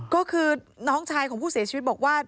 ก็คือน้องชายของผู้เสียชีวิตบอกว่า